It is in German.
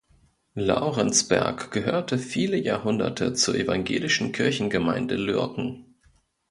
Laurenzberg gehörte viele Jahrhunderte zur evangelischen Kirchengemeinde Lürken.